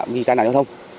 như ta nào cho không